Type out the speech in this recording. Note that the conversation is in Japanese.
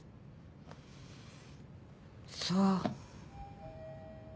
そう。